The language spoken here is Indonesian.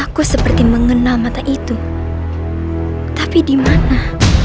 aku seperti mengenal mata itu tapi dimana